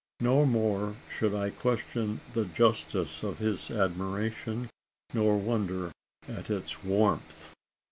No more should I question the justice of his admiration, nor wonder at its warmth.